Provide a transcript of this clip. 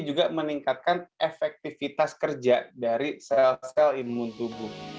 juga meningkatkan efektivitas kerja dari sel sel imun tubuh